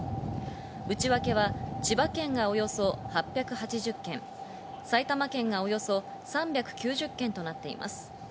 内訳は千葉県がおよそ８８０軒、埼玉県がおよそ３９０軒となっています。